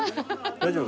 大丈夫？